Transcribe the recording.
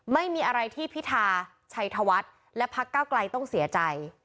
ไม่มีอะไรที่พิทาชัยทวัดและพระเก้ากลายต้องเสียใจ